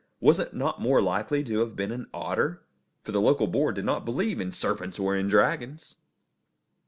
Was it not more likely to have been an otter? For the local board did not believe in serpents or in dragons!